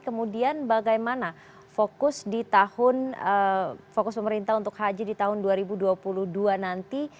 kemudian bagaimana fokus di tahun fokus pemerintah untuk haji di tahun dua ribu dua puluh dua nanti